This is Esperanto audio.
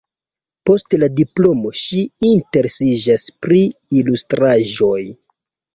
Post la diplomo ŝi interesiĝas pri ilustraĵoj.